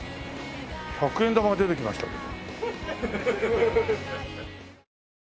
百円玉が出てきましたけど。